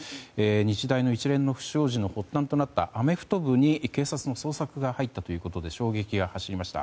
日大の一連の不祥事の発端となったアメフト部に警察の捜索が入ったということで衝撃が走りました。